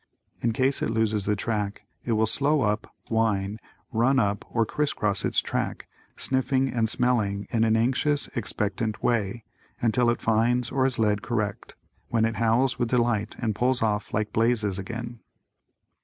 In case it loses the track it will slow up, whine, run up or criss cross its tracks, sniffing and smelling in an anxious, expectant way, until it finds or is led correct, when it howls with delight and pulls off "like blazes" again.